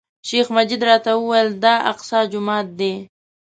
شیخ مجید راته وویل، دا الاقصی جومات دی.